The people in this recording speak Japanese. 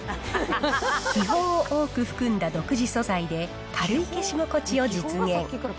気泡を多く含んだ独自素材で、軽い消し心地を実現。